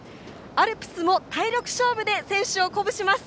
アルプスも体力勝負で選手を鼓舞します！